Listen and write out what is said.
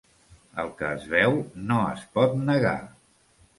El que es veu no es pot negar.